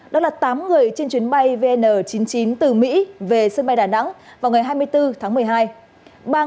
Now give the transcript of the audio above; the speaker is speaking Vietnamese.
đó là tám người trên chuyến bay vn chín mươi chín từ mỹ về sân bay đà nẵng vào ngày hai mươi bốn tháng một mươi hai